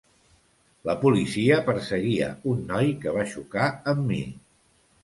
La policia perseguia un noi que va xocar amb mi.